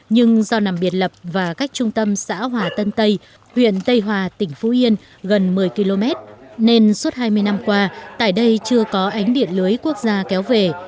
nhưng do nằm biệt lập và cách trung tâm xã hòa tân tây huyện tây hòa tỉnh phú yên gần một mươi km nên suốt hai mươi năm qua tại đây chưa có ánh điện lưới quốc gia kéo về